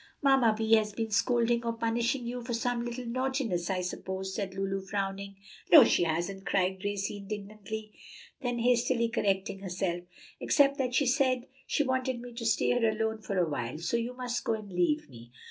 "Mamma Vi has been scolding or punishing you for some little naughtiness, I suppose," said Lulu, frowning. "No, she hasn't!" cried Gracie indignantly; then hastily correcting herself, "except that she said she wanted me to stay here alone for a while. So you must go and leave me."